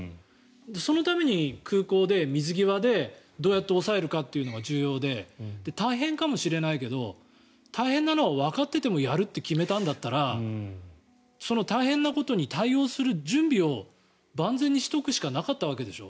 そのために空港で水際でどうやって抑えるかが重要で大変かもしれないけど大変なのはわかっててもやると決めたんだったらその大変なことに対応する準備を万全にしておくしかなかったわけでしょ？